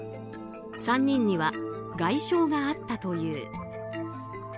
３人には外傷があったという。